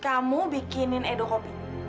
kamu bikinin edukopi